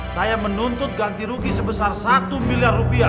saya menuntut ganti rugi sebesar satu miliar rupiah